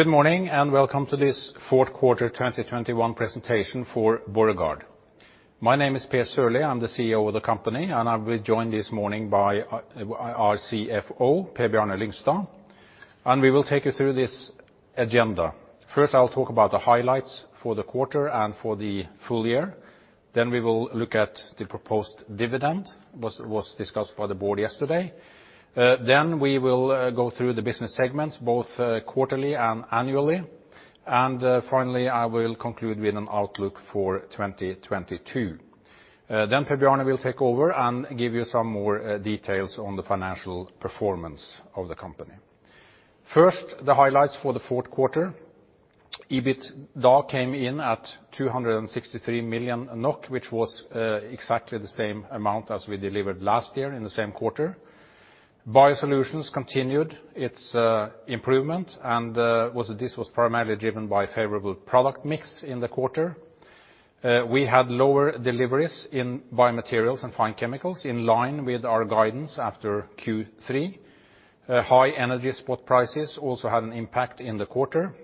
Good morning and welcome to this fourth quarter 2021 presentation for Borregaard. My name is Per A. Sørlie. I'm the CEO of the company, and I will be joined this morning by our CFO, Per Bjarne Lyngstad, and we will take you through this agenda. First, I'll talk about the highlights for the quarter and for the full year. Then we will look at the proposed dividend, which was discussed by the board yesterday. Then we will go through the business segments, both quarterly and annually, and finally, I will conclude with an outlook for 2022. Then Per Bjarne Lyngstad will take over and give you some more details on the financial performance of the company. First, the highlights for the fourth quarter. EBITDA came in at 263 million NOK, which was exactly the same amount as we delivered last year in the same quarter. BioSolutions continued its improvement, and this was primarily driven by favorable product mix in the quarter. We had lower deliveries in BioMaterials and Fine Chemicals in line with our guidance after Q3. High energy spot prices also had an impact in the quarter.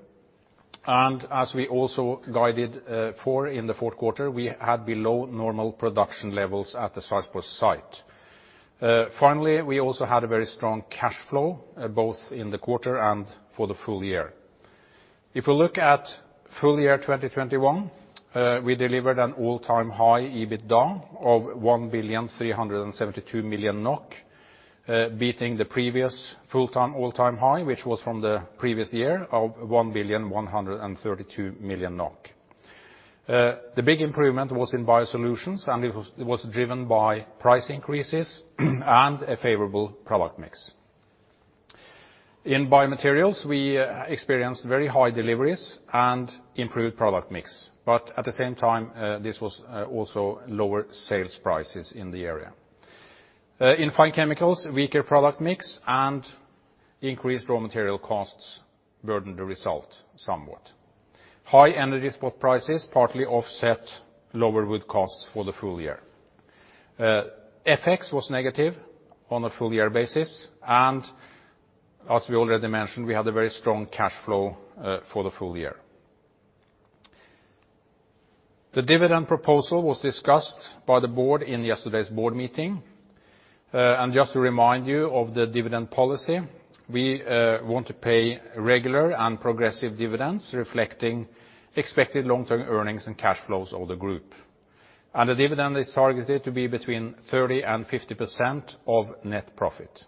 As we also guided for in the fourth quarter, we had below normal production levels at the Sarpsborg site. Finally, we also had a very strong cash flow both in the quarter and for the full year. If you look at full year 2021, we delivered an all-time high EBITDA of 1.372 billion NOK, beating the previous full year all-time high, which was from the previous year of 1.132 billion NOK. The big improvement was in BioSolutions, and it was driven by price increases and a favorable product mix. In BioMaterials, we experienced very high deliveries and improved product mix, but at the same time, this was also lower sales prices in the area. In Fine Chemicals, weaker product mix and increased raw material costs burdened the result somewhat. High energy spot prices partly offset lower wood costs for the full year. FX was negative on a full-year basis, and as we already mentioned, we had a very strong cash flow for the full year. The dividend proposal was discussed by the board in yesterday's board meeting. Just to remind you of the dividend policy, we want to pay regular and progressive dividends reflecting expected long-term earnings and cash flows of the group. The dividend is targeted to be between 30%-50% of net profit.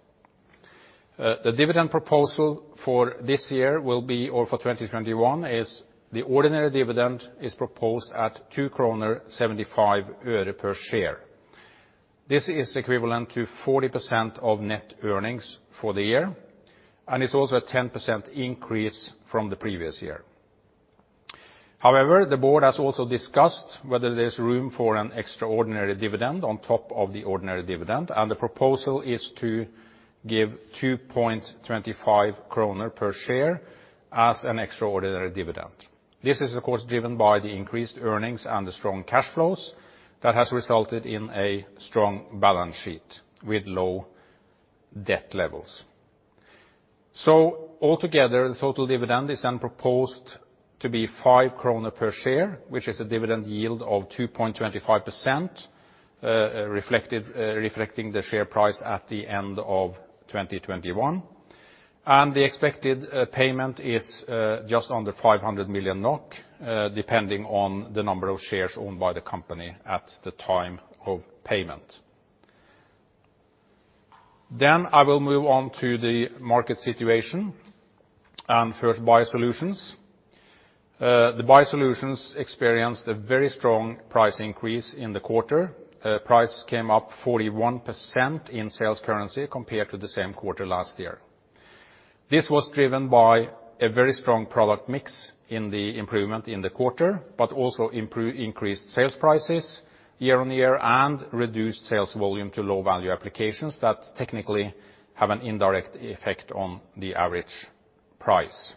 The dividend proposal for this year will be, or for 2021, the ordinary dividend proposed at NOK 2.75 per share. This is equivalent to 40% of net earnings for the year and is also a 10% increase from the previous year. However, the board has also discussed whether there's room for an extraordinary dividend on top of the ordinary dividend, and the proposal is to give 2.25 kroner per share as an extraordinary dividend. This is, of course, driven by the increased earnings and the strong cash flows that has resulted in a strong balance sheet with low debt levels. Altogether, the total dividend is then proposed to be 5 krone per share, which is a dividend yield of 2.25%, reflecting the share price at the end of 2021. The expected payment is just under 500 million NOK, depending on the number of shares owned by the company at the time of payment. I will move on to the market situation and first BioSolutions. The BioSolutions experienced a very strong price increase in the quarter. Price came up 41% in sales currency compared to the same quarter last year. This was driven by a very strong product mix improvement in the quarter, but also increased sales prices year-on-year and reduced sales volume to low-value applications that technically have an indirect effect on the average price.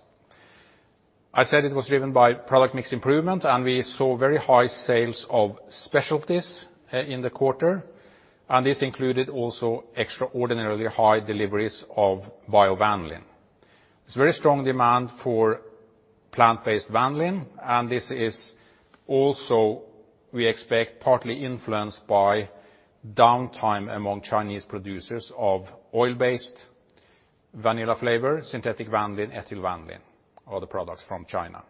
I said it was driven by product mix improvement, and we saw very high sales of specialties in the quarter, and this included also extraordinarily high deliveries of biovanillin. It's very strong demand for plant-based vanillin, and this is also, we expect, partly influenced by downtime among Chinese producers of oil-based vanilla flavor, synthetic vanillin, ethyl vanillin, other products from China.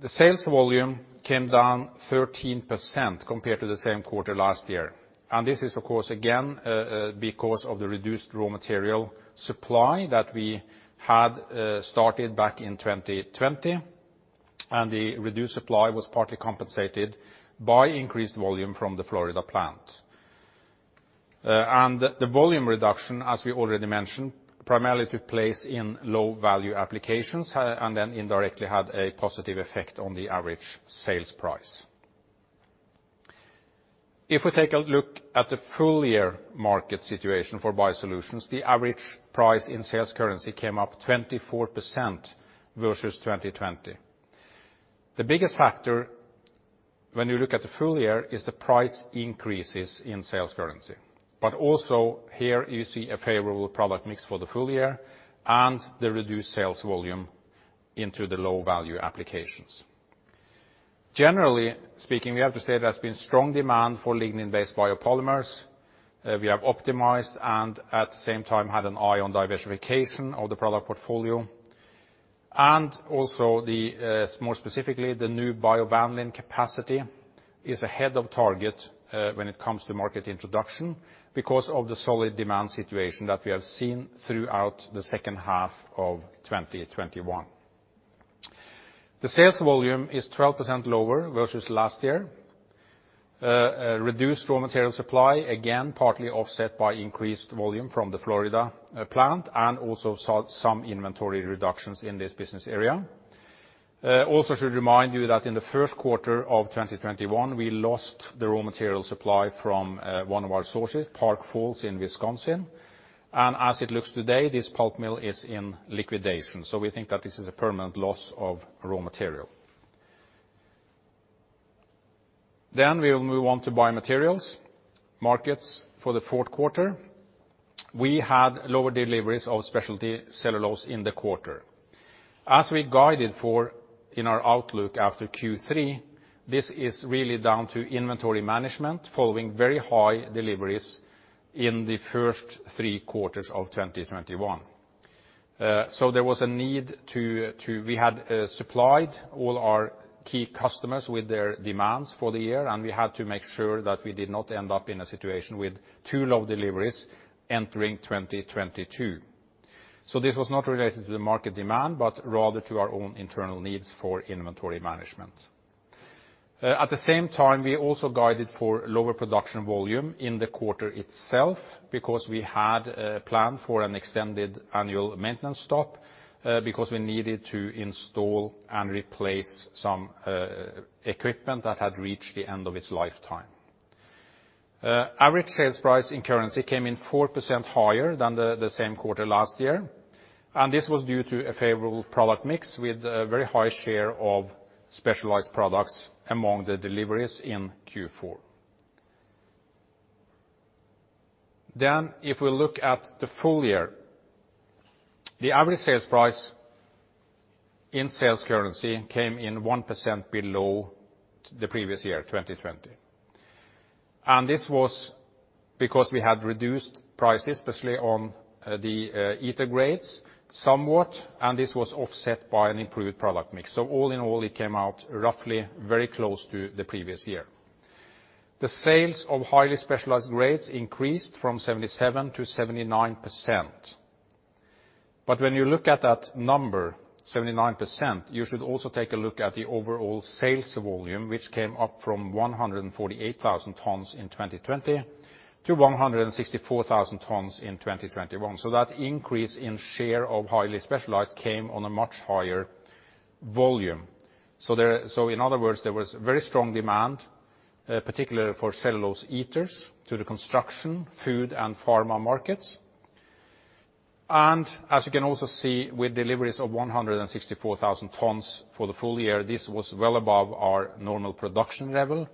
The sales volume came down 13% compared to the same quarter last year, and this is, of course, again, because of the reduced raw material supply that we had started back in 2020, and the reduced supply was partly compensated by increased volume from the Florida plant. The volume reduction, as we already mentioned, primarily took place in low-value applications, and then indirectly had a positive effect on the average sales price. If we take a look at the full-year market situation for BioSolutions, the average price in sales currency came up 24% versus 2020. The biggest factor when you look at the full year is the price increases in sales currency. Also here you see a favorable product mix for the full year and the reduced sales volume into the low-value applications. Generally speaking, we have to say there's been strong demand for lignin-based biopolymers. We have optimized and at the same time had an eye on diversification of the product portfolio. Also, more specifically, the new biovanillin capacity is ahead of target when it comes to market introduction because of the solid demand situation that we have seen throughout the second half of 2021. The sales volume is 12% lower versus last year, reduced raw material supply again partly offset by increased volume from the Florida plant and also some inventory reductions in this business area. Also should remind you that in the first quarter of 2021, we lost the raw material supply from one of our sources, Park Falls in Wisconsin. As it looks today, this pulp mill is in liquidation, so we think that this is a permanent loss of raw material. We will move on to BioMaterials markets for the fourth quarter. We had lower deliveries of specialty cellulose in the quarter. As we guided for in our outlook after Q3, this is really down to inventory management following very high deliveries in the first three quarters of 2021. There was a need to. We had supplied all our key customers with their demands for the year, and we had to make sure that we did not end up in a situation with too low deliveries entering 2022. This was not related to the market demand, but rather to our own internal needs for inventory management. At the same time, we also guided for lower production volume in the quarter itself because we had a plan for an extended annual maintenance stop, because we needed to install and replace some equipment that had reached the end of its lifetime. Average sales price in currency came in 4% higher than the same quarter last year, and this was due to a favorable product mix with a very high share of specialized products among the deliveries in Q4. If we look at the full year, the average sales price in sales currency came in 1% below the previous year, 2020. This was because we had reduced prices, especially on the ether grades somewhat, and this was offset by an improved product mix. All in all, it came out roughly very close to the previous year. The sales of highly specialized grades increased from 77%-79%. When you look at that number, 79%, you should also take a look at the overall sales volume, which came up from 148,000 tons in 2020 to 164,000 tons in 2021. That increase in share of highly specialized came on a much higher volume. There, in other words, there was very strong demand, particularly for cellulose ethers to the construction, food, and pharma markets. As you can also see with deliveries of 164,000 tons for the full year, this was well above our normal production level.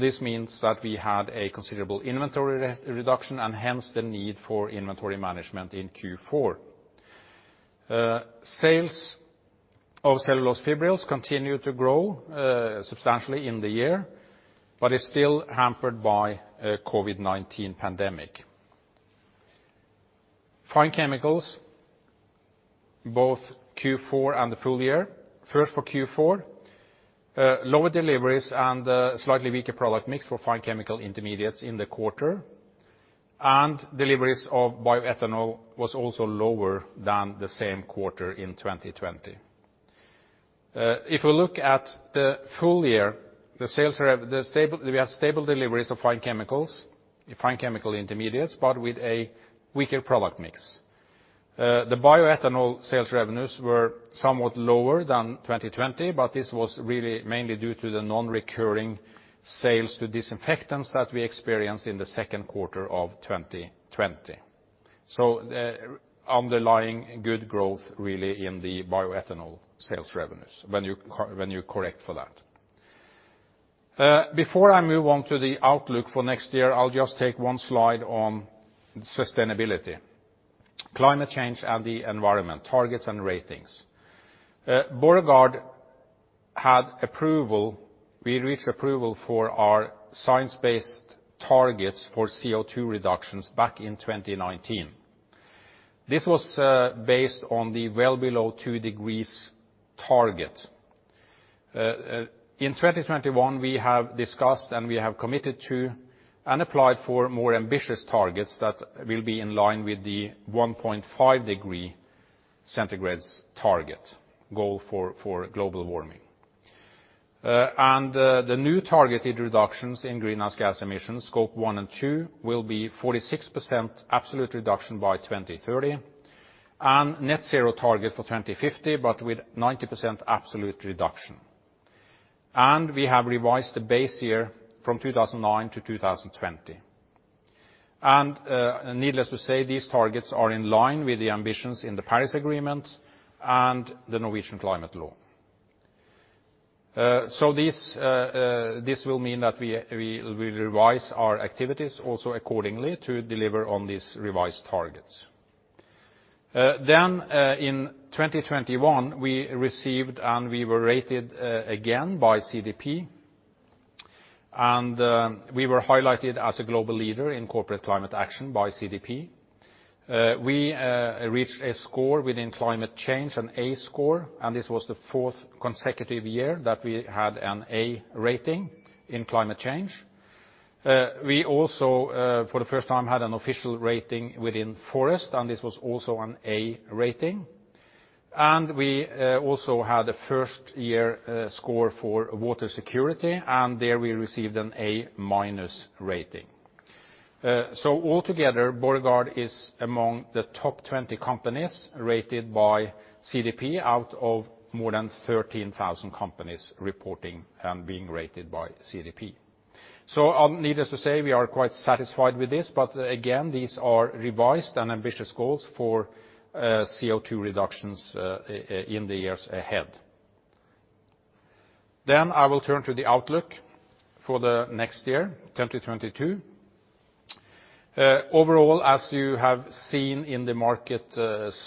This means that we had a considerable inventory re-reduction and hence the need for inventory management in Q4. Sales of cellulose fibrils continued to grow substantially in the year, but is still hampered by a COVID-19 pandemic. Fine Chemicals, both Q4 and the full year. First, for Q4, lower deliveries and slightly weaker product mix for fine chemical intermediates in the quarter, and deliveries of bioethanol was also lower than the same quarter in 2020. If we look at the full year, we have stable deliveries of Fine Chemicals, fine chemical intermediates, but with a weaker product mix. The bioethanol sales revenues were somewhat lower than 2020, but this was really mainly due to the non-recurring sales to disinfectants that we experienced in the second quarter of 2020. Underlying good growth really in the bioethanol sales revenues when you correct for that. Before I move on to the outlook for next year, I'll just take one slide on sustainability, climate change, and the environment, targets and ratings. Borregaard had approval, we reached approval for our Science-Based Targets for CO2 reductions back in 2019. This was based on the well below 2 degrees target. In 2021, we have discussed and we have committed to and applied for more ambitious targets that will be in line with the 1.5 degrees Celsius target goal for global warming. The new targeted reductions in greenhouse gas emissions, Scope one and two, will be 46% absolute reduction by 2030 and net zero target for 2050, but with 90% absolute reduction. We have revised the base year from 2009 to 2020. Needless to say, these targets are in line with the ambitions in the Paris Agreement and the Norwegian climate law. This will mean that we revise our activities also accordingly to deliver on these revised targets. In 2021, we received and we were rated again by CDP, and we were highlighted as a global leader in corporate climate action by CDP. We reached a score within climate change, an A score, and this was the fourth consecutive year that we had an A rating in climate change. We also, for the first time, had an official rating within forests, and this was also an A rating. We also had a first-year score for water security, and there we received an A- rating. Altogether, Borregaard is among the top 20 companies rated by CDP out of more than 13,000 companies reporting and being rated by CDP. Needless to say, we are quite satisfied with this, but again, these are revised and ambitious goals for CO2 reductions in the years ahead. I will turn to the outlook for the next year, 2022. Overall, as you have seen in the market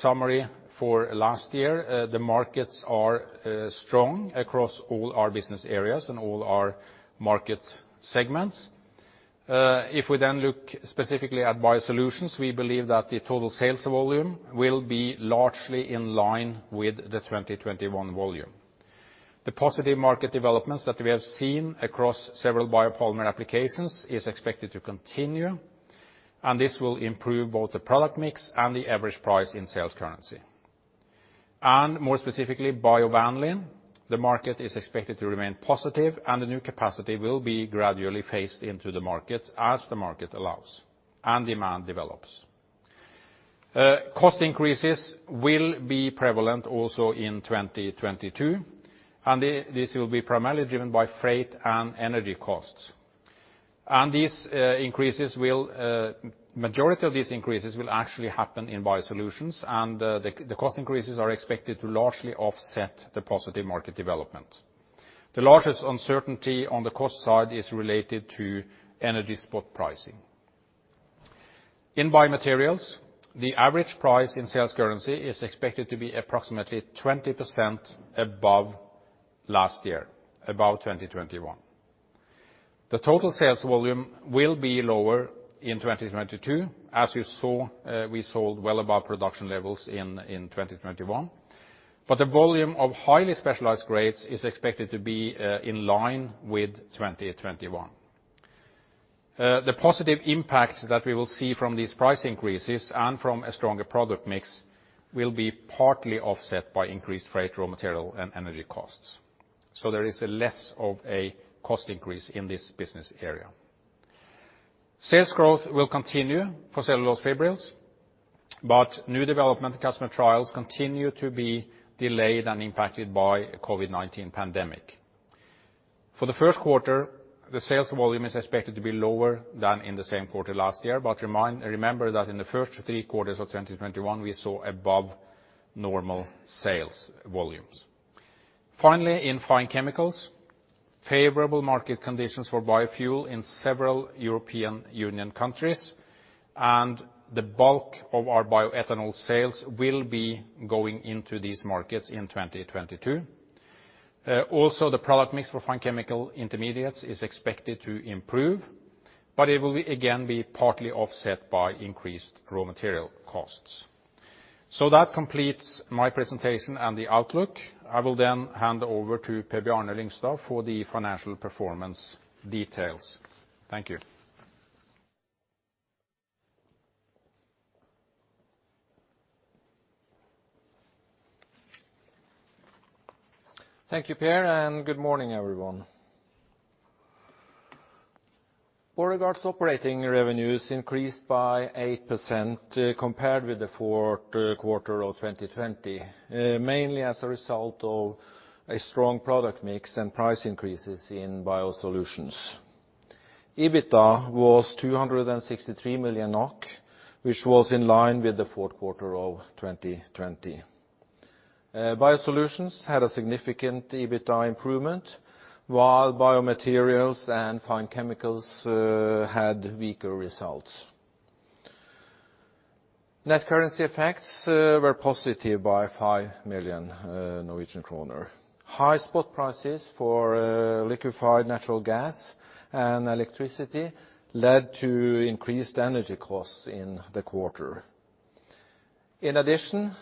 summary for last year, the markets are strong across all our business areas and all our market segments. If we then look specifically at BioSolutions, we believe that the total sales volume will be largely in line with the 2021 volume. The positive market developments that we have seen across several biopolymer applications is expected to continue, and this will improve both the product mix and the average price in sales currency. More specifically, biovanillin, the market is expected to remain positive, and the new capacity will be gradually phased into the market as the market allows and demand develops. Cost increases will be prevalent also in 2022, and this will be primarily driven by freight and energy costs. These increases will majority of these increases actually happen in BioSolutions, and the cost increases are expected to largely offset the positive market development. The largest uncertainty on the cost side is related to energy spot pricing. In BioMaterials, the average price in sales currency is expected to be approximately 20% above last year, above 2021. The total sales volume will be lower in 2022. As you saw, we sold well above production levels in 2021. The volume of highly specialized grades is expected to be in line with 2021. The positive impact that we will see from these price increases and from a stronger product mix will be partly offset by increased freight, raw material, and energy costs, so there is a less of a cost increase in this business area. Sales growth will continue for cellulose fibrils, but new development and customer trials continue to be delayed and impacted by COVID-19 pandemic. For the first quarter, the sales volume is expected to be lower than in the same quarter last year, but remember that in the first three quarters of 2021, we saw above normal sales volumes. Finally, in Fine Chemicals, favorable market conditions for biofuel in several European Union countries, and the bulk of our bioethanol sales will be going into these markets in 2022. Also, the product mix for Fine Chemical intermediates is expected to improve, but it will, again, be partly offset by increased raw material costs. That completes my presentation and the outlook. I will then hand over to Per Bjarne Lyngstad for the financial performance details. Thank you. Thank you, Per, and good morning, everyone. Borregaard's operating revenues increased by 8% compared with the fourth quarter of 2020, mainly as a result of a strong product mix and price increases in BioSolutions. EBITDA was 263 million NOK, which was in line with the fourth quarter of 2020. BioSolutions had a significant EBITDA improvement, while BioMaterials and Fine Chemicals had weaker results. Net currency effects were positive by 5 million Norwegian kroner. High spot prices for liquefied natural gas and electricity led to increased energy costs in the quarter. In addition,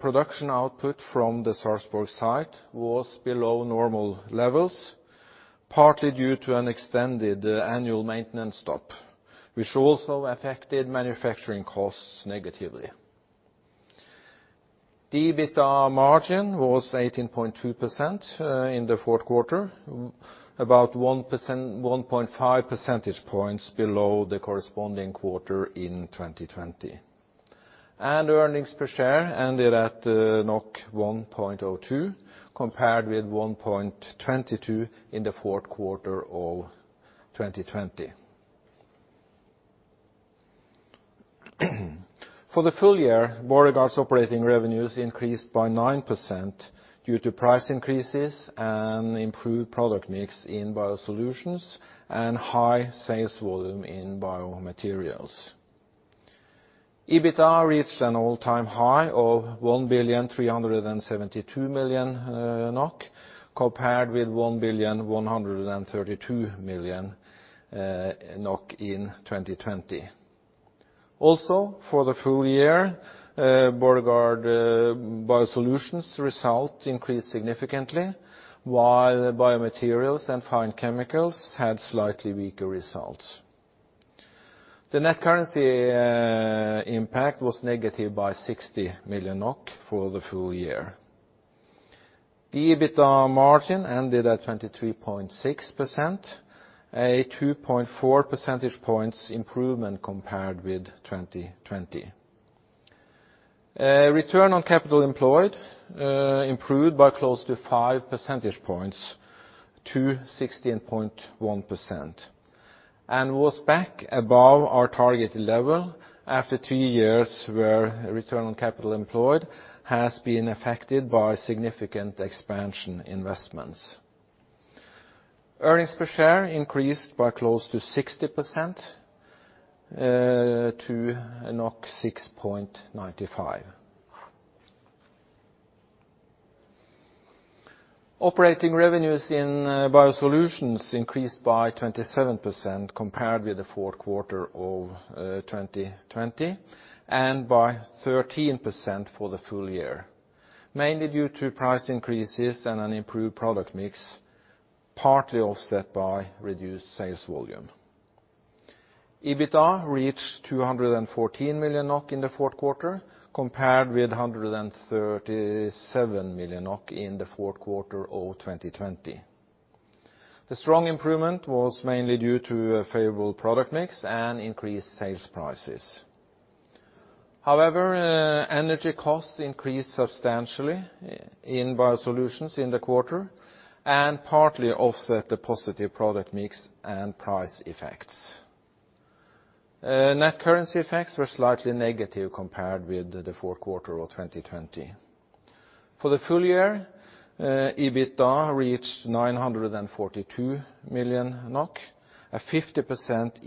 production output from the Sarpsborg site was below normal levels, partly due to an extended annual maintenance stop, which also affected manufacturing costs negatively. The EBITDA margin was 18.2% in the fourth quarter, about 1.5 percentage points below the corresponding quarter in 2020. Earnings per share ended at 1.02, compared with 1.22 in the fourth quarter of 2020. For the full year, Borregaard's operating revenues increased by 9% due to price increases and improved product mix in BioSolutions, and high sales volume in BioMaterials. EBITDA reached an all-time high of 1,372 million NOK, compared with 1,132 million NOK in 2020. Also, for the full year, Borregaard BioSolutions result increased significantly, while BioMaterials and Fine Chemicals had slightly weaker results. The net currency impact was negative by 60 million NOK for the full year. The EBITDA margin ended at 23.6%, a 2.4 percentage points improvement compared with 2020. Return on capital employed improved by close to 5 percentage points to 16.1%, and was back above our targeted level after two years where return on capital employed has been affected by significant expansion investments. Earnings per share increased by close to 60% to NOK 6.95. Operating revenues in BioSolutions increased by 27% compared with the fourth quarter of 2020, and by 13% for the full year, mainly due to price increases and an improved product mix, partly offset by reduced sales volume. EBITDA reached 214 million NOK in the fourth quarter, compared with 137 million NOK in the fourth quarter of 2020. The strong improvement was mainly due to a favorable product mix and increased sales prices. However, energy costs increased substantially in BioSolutions in the quarter, and partly offset the positive product mix and price effects. Net currency effects were slightly negative compared with the fourth quarter of 2020. For the full year, EBITDA reached 942 million NOK, a 50%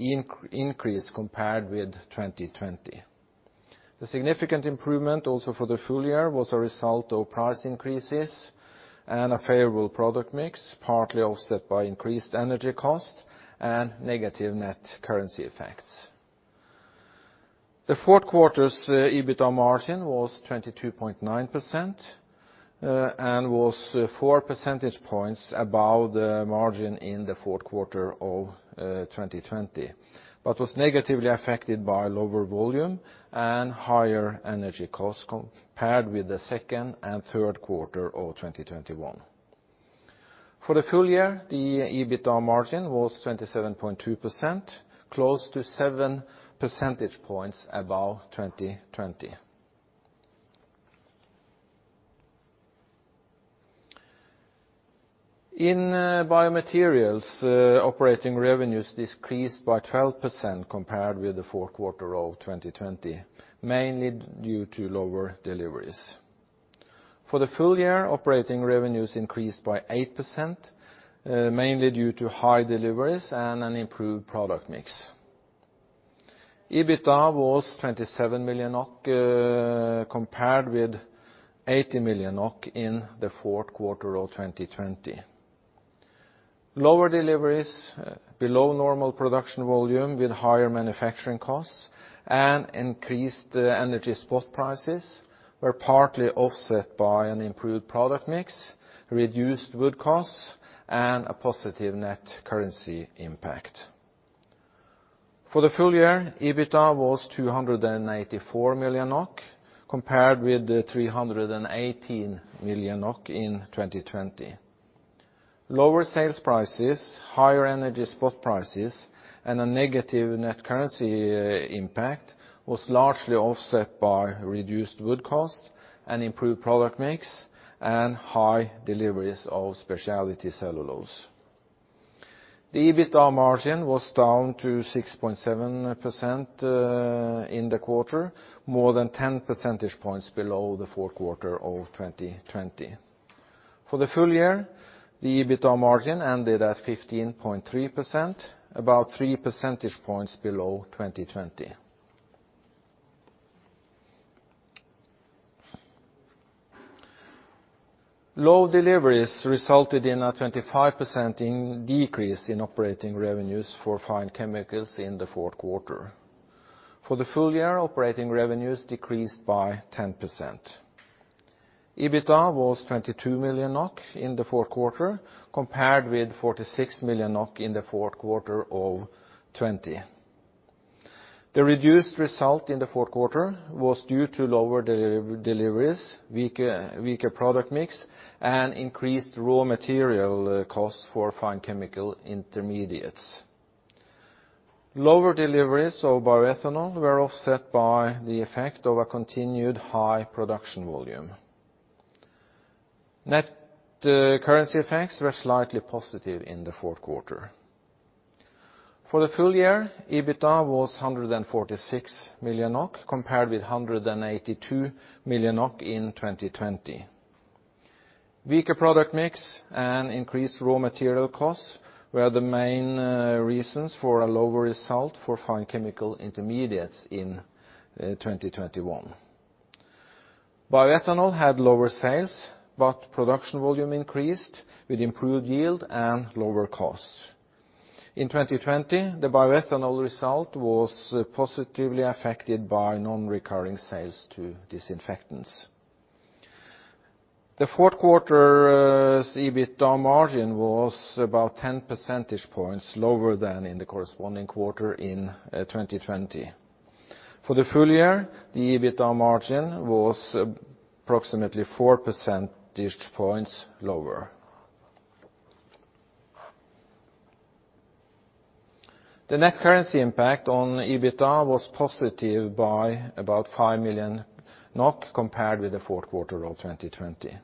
increase compared with 2020. The significant improvement also for the full year was a result of price increases and a favorable product mix, partly offset by increased energy cost and negative net currency effects. The fourth quarter's EBITDA margin was 22.9%, and was 4 percentage points above the margin in the fourth quarter of 2020, but was negatively affected by lower volume and higher energy costs compared with the second and third quarter of 2021. For the full year, the EBITDA margin was 27.2%, close to 7 percentage points above 2020. In BioMaterials, operating revenues decreased by 12% compared with the fourth quarter of 2020, mainly due to lower deliveries. For the full year, operating revenues increased by 8%, mainly due to high deliveries and an improved product mix. EBITDA was 27 million NOK, compared with 80 million NOK in the fourth quarter of 2020. Lower deliveries, below normal production volume with higher manufacturing costs, and increased energy spot prices were partly offset by an improved product mix, reduced wood costs, and a positive net currency impact. For the full year, EBITDA was 284 million NOK, compared with 318 million NOK in 2020. Lower sales prices, higher energy spot prices, and a negative net currency impact, was largely offset by reduced wood cost, and improved product mix, and high deliveries of specialty cellulose. The EBITDA margin was down to 6.7% in the quarter, more than 10 percentage points below the fourth quarter of 2020. For the full year, the EBITDA margin ended at 15.3%, about 3 percentage points below 2020. Low deliveries resulted in a 25% decrease in operating revenues for Fine Chemicals in the fourth quarter. For the full year, operating revenues decreased by 10%. EBITDA was 22 million NOK in the fourth quarter, compared with 46 million NOK in the fourth quarter of 2020. The reduced result in the fourth quarter was due to lower deliveries, weaker product mix, and increased raw material costs for Fine Chemicals intermediates. Lower deliveries of bioethanol were offset by the effect of a continued high production volume. Net currency effects were slightly positive in the fourth quarter. For the full year, EBITDA was 146 million NOK compared with 182 million NOK in 2020. Weaker product mix and increased raw material costs were the main reasons for a lower result for fine chemical intermediates in 2021. Bioethanol had lower sales, but production volume increased with improved yield and lower costs. In 2020, the bioethanol result was positively affected by non-recurring sales to disinfectants. The fourth quarter's EBIT margin was about 10 percentage points lower than in the corresponding quarter in 2020. For the full year, the EBITDA margin was approximately 4 percentage points lower. The net currency impact on EBITDA was positive by about 5 million NOK compared with the fourth quarter of 2020.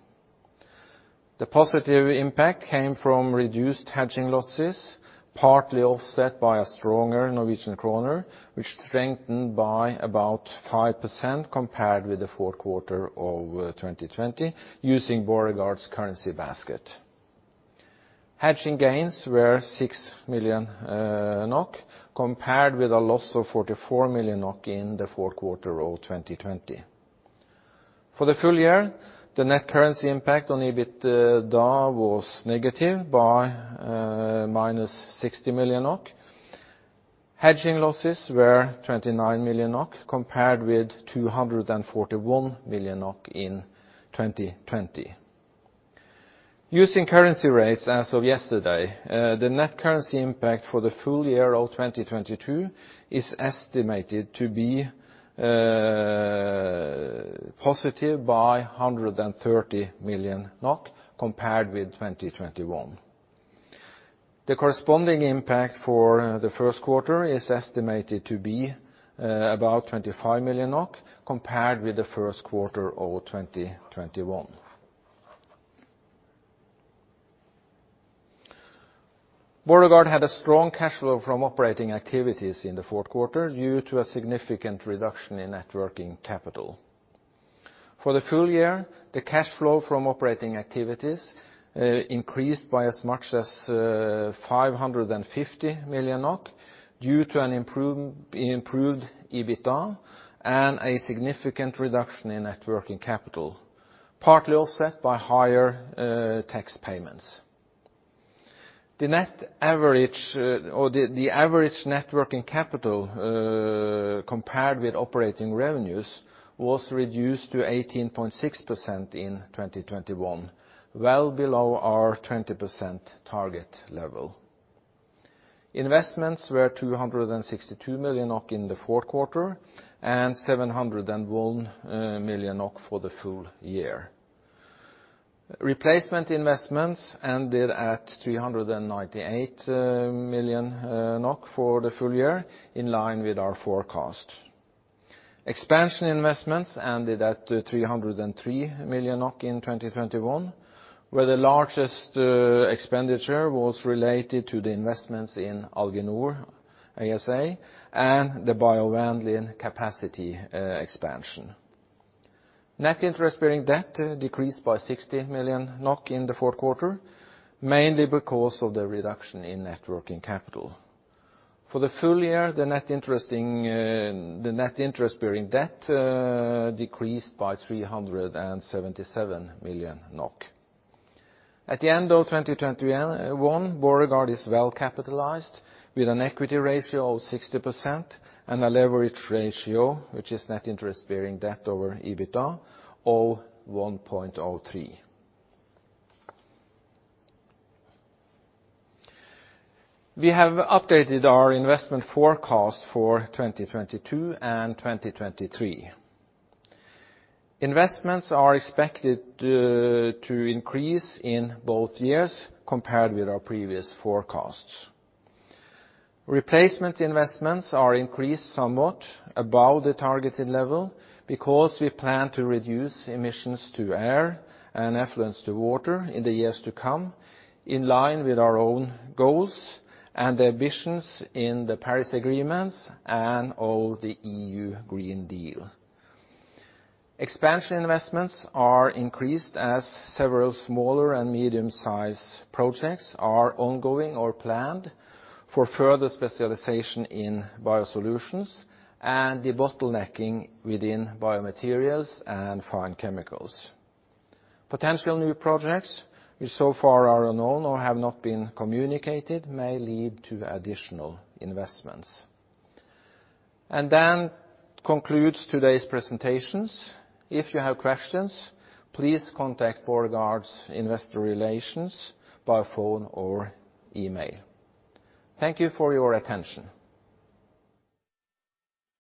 The positive impact came from reduced hedging losses, partly offset by a stronger Norwegian kroner, which strengthened by about 5% compared with the fourth quarter of 2020 using Borregaard's currency basket. Hedging gains were 6 million NOK compared with a loss of 44 million NOK in the fourth quarter of 2020. For the full year, the net currency impact on EBITDA was negative by minus 60 million NOK. Hedging losses were 29 million NOK compared with 241 million NOK in 2020. Using currency rates as of yesterday, the net currency impact for the full year of 2022 is estimated to be positive by 130 million NOK compared with 2021. The corresponding impact for the first quarter is estimated to be about 25 million NOK compared with the first quarter of 2021. Borregaard had a strong cash flow from operating activities in the fourth quarter due to a significant reduction in net working capital. For the full year, the cash flow from operating activities increased by as much as 550 million NOK due to an improved EBITDA and a significant reduction in net working capital, partly offset by higher tax payments. The average net working capital compared with operating revenues was reduced to 18.6% in 2021, well below our 20% target level. Investments were 262 million NOK in the fourth quarter and 701 million NOK for the full year. Replacement investments ended at 398 million NOK for the full year, in line with our forecast. Expansion investments ended at 303 million NOK in 2021, where the largest expenditure was related to the investments in Alginor ASA and the biovanillin capacity expansion. Net interest-bearing debt decreased by 60 million NOK in the fourth quarter, mainly because of the reduction in net working capital. For the full year, the net interest-bearing debt decreased by 377 million NOK. At the end of 2021, Borregaard is well capitalized with an equity ratio of 60% and a leverage ratio, which is net interest-bearing debt over EBITDA of 1.03. We have updated our investment forecast for 2022 and 2023. Investments are expected to increase in both years compared with our previous forecasts. Replacement investments are increased somewhat above the targeted level because we plan to reduce emissions to air and effluent to water in the years to come, in line with our own goals and the ambitions in the Paris Agreement and of the European Green Deal. Expansion investments are increased as several smaller and medium-size projects are ongoing or planned for further specialization in BioSolutions and debottlenecking within BioMaterials and Fine Chemicals. Potential new projects, which so far are unknown or have not been communicated, may lead to additional investments. That concludes today's presentations. If you have questions, please contact Borregaard's investor relations by phone or email. Thank you for your attention.